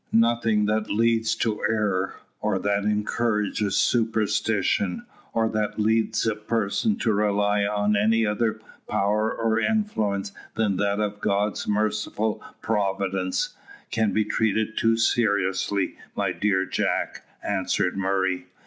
"Nothing that leads to error, or that encourages superstition, or that leads a person to rely on any other power or influence than that of God's merciful providence, can be treated too seriously, my dear Jack," answered Murray.